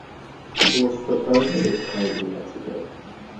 It was the first of its kind in Mexico.